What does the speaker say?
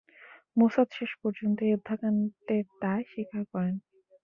Mossad শেষপর্যন্ত এই হত্যাকান্ডের দায় স্বীকার করেন।